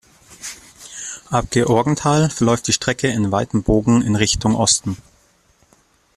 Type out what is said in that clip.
Ab Georgenthal verläuft die Strecke in weitem Bogen in Richtung Osten.